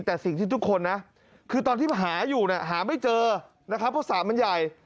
แต่สิ่งที่ทุกคนนะคือตอนที่หาอยู่เนี่ยหาไม่เจอนะครับเพราะสระมันใหญ่